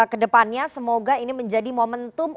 kedepannya semoga ini menjadi momentum